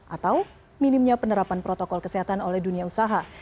atau minimnya penerapan protokol kesehatan oleh dunia usaha